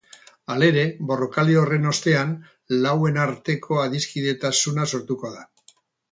Halere, borrokaldi horren ostean, lauen arteko adiskidetasuna sortuko da.